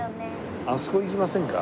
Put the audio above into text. あそこ行きませんか？